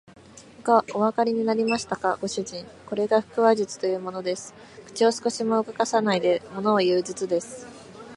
おわかりになりましたか、ご主人。これが腹話術というものです。口を少しも動かさないでものをいう術です。